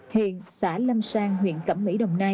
hiện xã lâm sang huyện cẩm mỹ đồng nai